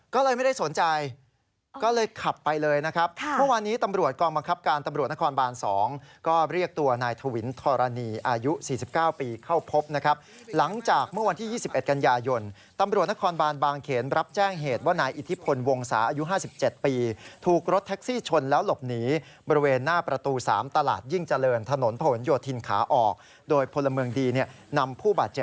ก็เลยไม่ได้สนใจก็เลยขับไปเลยนะครับเมื่อวานนี้ตำรวจกองบังคับการตำรวจนครบาน๒ก็เรียกตัวนายถวินธรณีอายุ๔๙ปีเข้าพบนะครับหลังจากเมื่อวันที่๒๑กันยายนตำรวจนครบานบางเขนรับแจ้งเหตุว่านายอิทธิพลวงศาอายุ๕๗ปีถูกรถแท็กซี่ชนแล้วหลบหนีบริเวณหน้าประตู๓ตลาดยิ่งเจริญถนนผนโยธินขาออกโดยพลเมืองดีเนี่ยนำผู้บาดเจ็บ